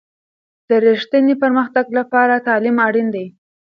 د رښتیني پرمختګ لپاره تعلیم اړین دی.